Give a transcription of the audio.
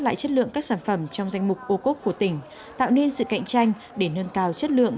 lại chất lượng các sản phẩm trong danh mục ô cốt của tỉnh tạo nên sự cạnh tranh để nâng cao chất lượng